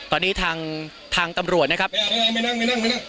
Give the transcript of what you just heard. ตอนนี้ทางทางตำรวจนะครับไม่ได้นั่งไม่นั่งไม่นั่งไม่นั่ง